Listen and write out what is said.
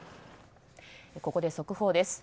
ここで速報です。